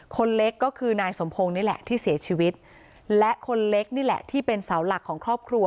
คนเล็กก็คือนายสมพงศ์นี่แหละที่เสียชีวิตและคนเล็กนี่แหละที่เป็นเสาหลักของครอบครัว